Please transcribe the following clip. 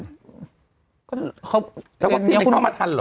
แล้ววัคซีนเข้ามาทันเหรอ